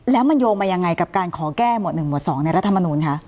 แล้วมันโยงมายังไงกับการขอแก้หมวด๑หมวด๒ในรัฐมนูลคะ